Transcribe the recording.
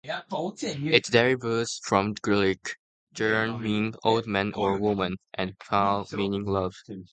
It derives from Greek: geron, meaning "old man or woman" and philie, meaning "love".